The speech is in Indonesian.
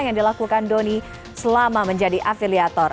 yang dilakukan doni selama menjadi afiliator